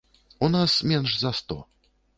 У нас менш за сто.